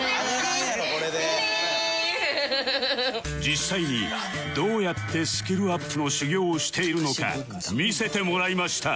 実際にどうやってスキルアップの修業をしているのか見せてもらいました